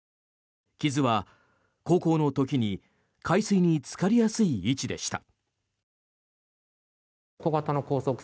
傷は航行の時に海水につかりやすい位置でした。